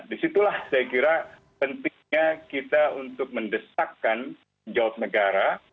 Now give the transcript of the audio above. disitulah saya kira pentingnya kita untuk mendesakkan jawab negara